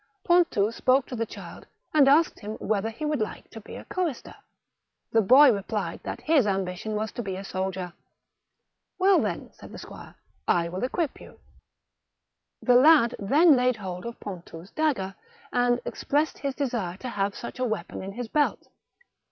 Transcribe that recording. Pontou spoke to the child, and asked him whether he would like to be a chorister ; the boy replied that his ambition was to be a soldier. '* Well, then," said the squire, " I will equip you." The lad then laid hold of Pontou*s dagger, and expressed his desire to have such a weapon in his belt.